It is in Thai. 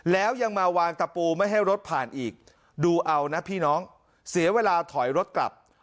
แล้วยังมาวางตะปูไม่ให้รถผ่านอีกดูเอานะพี่น้องเสียเวลาถอยรถกลับ